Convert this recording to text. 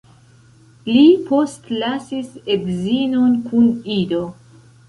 Li postlasis edzinon kun ido.